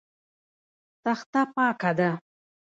تخته پاکه ده.